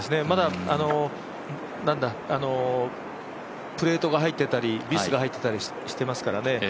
まだプレートが入っていたりビスが入ったりしてますからね